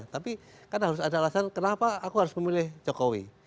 tapi kan harus ada alasan kenapa aku harus memilih jokowi